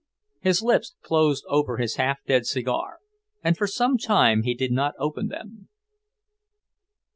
His lips closed over his half dead cigar, and for some time he did not open them.